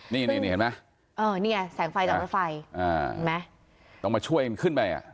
นี่เห็นไหมเออนี่แสงไฟรถไฟต้องมาช่วยขึ้นไปอ่ะ